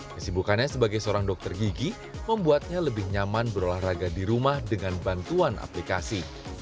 kesibukannya sebagai seorang dokter gigi membuatnya lebih nyaman berolahraga di rumah dengan bantuan aplikasi